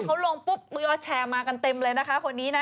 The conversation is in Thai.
เขาลงปุ๊บมียอดแชร์มากันเต็มเลยนะคะคนนี้นะ